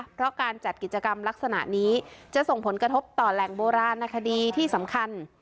เพราะการจัดกิจกรรมลักษณะนี้จะส่งผลกระทบต่อแหล่งโบราณนาคดีที่สำคัญ